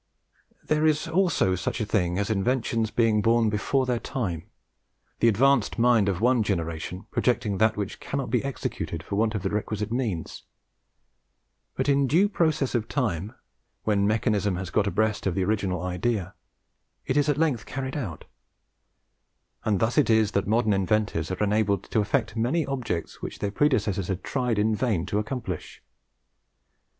There is also such a thing as inventions being born before their time the advanced mind of one generation projecting that which cannot be executed for want of the requisite means; but in due process of time, when mechanism has got abreast of the original idea, it is at length carried out; and thus it is that modern inventors are enabled to effect many objects which their predecessors had tried in vain to accomplish.